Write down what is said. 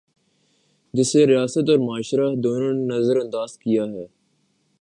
جسے ریاست اور معاشرہ، دونوں نے نظر انداز کیا ہے۔